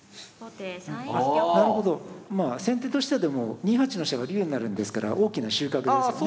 先手としてはでも２八の飛車が竜になるんですから大きな収穫ですよね。